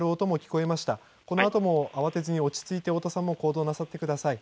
このあとも慌てずに落ち着いて太田さんも行動なさってください。